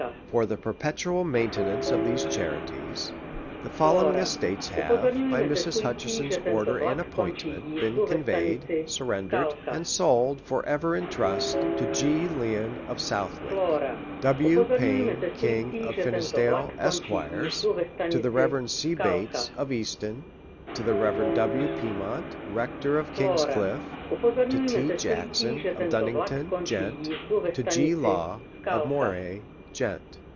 Por the perpetual maintenance of these charities'. I THE REV. W. LAW. XUt the following estates have, by Mrs. Hutcheson's oitler and appointment, been conveyed, surrendered, and sold, tor ever in trust, to G. Lynn, of Southvvick; W. Pain King", of Finesliade, Esqs. ; to the Rev.C. Bates, of Easton ; to the Rev. W. Piemont, Rector of King's Cliffe; to T. Jackson, of Duddington, Gent.; to G. Law, of JMorehay, Gent.